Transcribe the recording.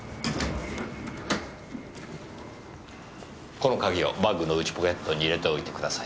この鍵をバッグの内ポケットに入れておいてください。